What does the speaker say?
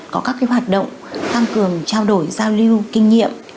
có các hoạt động tăng cường trao đổi giao lưu kinh nghiệm